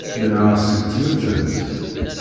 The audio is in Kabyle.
Menɛeɣ seg tmettant.